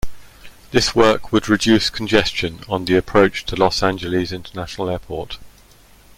This work would reduce congestion on the approach to Los Angeles International Airport.